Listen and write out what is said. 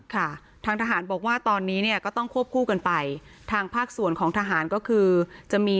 ค่ะทางทหารบอกว่าตอนนี้เนี่ยก็ต้องควบคู่กันไปทางภาคส่วนของทหารก็คือจะมี